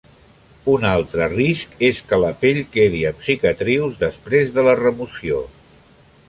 Un altre risc és que la pell quedi amb cicatrius després de la remoció.